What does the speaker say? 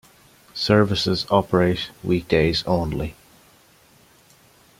Services operate weekdays only.